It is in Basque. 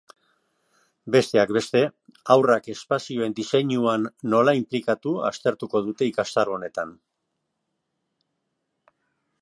Besteak beste, haurrak espazioen diseinuan nola inplikatu aztertuko dute ikastaro honetan.